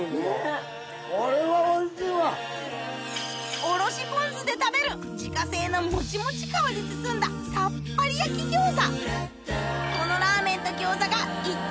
おろしポン酢で食べる自家製のもちもち皮で包んださっぱり焼き餃子